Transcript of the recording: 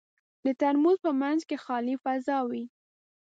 د ترموز په منځ کې خالي فضا وي.